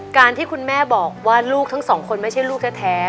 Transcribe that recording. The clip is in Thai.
การที่คุณแม่บอกว่าลูกทั้งสองคนไม่ใช่ลูกแท้